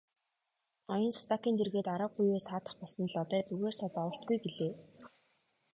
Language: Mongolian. Ноён Сасакийн дэргэд арга буюу саатах болсон Лодой "Зүгээр та зоволтгүй" гэлээ.